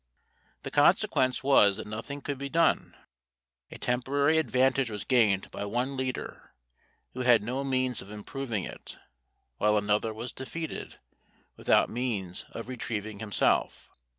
The consequence was that nothing could be done. A temporary advantage was gained by one leader, who had no means of improving it; while another was defeated, without means of retrieving himself.